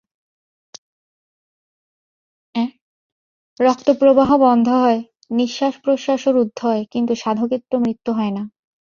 রক্তপ্রবাহ বন্ধ হয়, নিঃশ্বাস-প্রশ্বাসও রুদ্ধ হয়, কিন্তু সাধকের তো মৃত্যু হয় না।